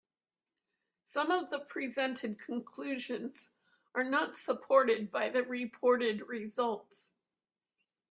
Some of the presented conclusions are not supported by the reported results.